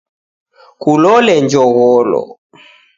Kulole njogholo.